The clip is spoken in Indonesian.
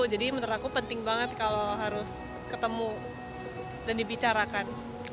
jadi menurut aku penting banget kalau harus ketemu dan dibicarakan